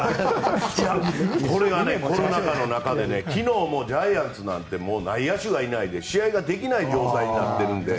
これがコロナ禍の中で昨日もジャイアンツなんてもう内野手がいなくて試合ができない状態になっているので。